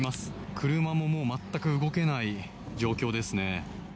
車も全く動けない状況ですね。